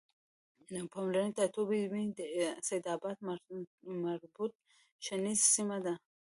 پلرنی ټاټوبی مې د سیدآباد مربوط شنیز سیمه ده